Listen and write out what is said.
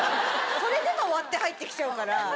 それでも割って入ってきちゃうから。